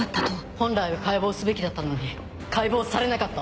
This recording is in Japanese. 本来は解剖すべきだったのに解剖されなかった。